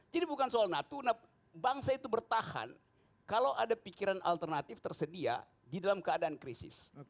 jadi bukan soal natuna bangsa itu bertahan kalau ada pikiran alternatif tersedia di dalam keadaan krisis